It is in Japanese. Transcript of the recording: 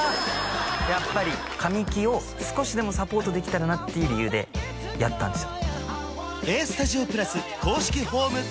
やっぱり神木を少しでもサポートできたらなっていう理由でやったんですよ